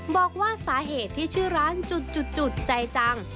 บอกว่าสาเหตุที่ชื่อร้านจุดใจจัง